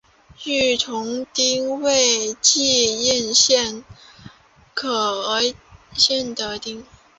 御嵩町为岐阜县可儿郡的町。